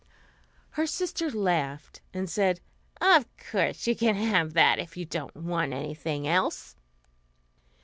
Her sister laughed, and said, "Of course you can have that, if you don't want anything else."